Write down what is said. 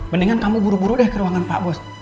mendingan kamu buru buru deh ke ruangan pak bos